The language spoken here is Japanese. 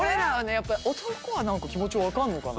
やっぱり男は何か気持ち分かんのかな。